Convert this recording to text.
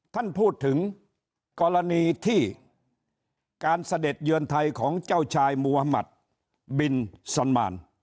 ท่านพูดถึงกรณีที่การเสด็จเยือนไทยของเจ้าชายมัธมัติบินซอนมาน